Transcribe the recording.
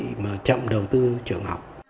để mà chậm đầu tư trường học